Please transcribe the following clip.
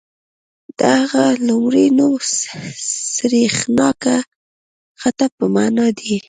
د هغه لومړی نوم سریښناکه خټه په معنا دی.